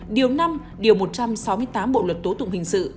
điều năm điều một trăm sáu mươi tám bộ luật tố tụng hình sự